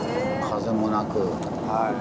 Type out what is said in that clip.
風もなく。